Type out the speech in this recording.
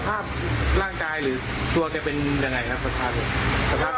สภาพร่างกายหรือตัวเป็นอย่างไงครับ